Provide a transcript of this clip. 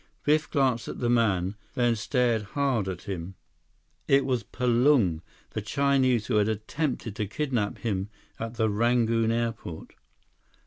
Biff glanced at the man, then stared hard at him. It was Palung, the Chinese who had attempted to kidnap him at the Rangoon airport.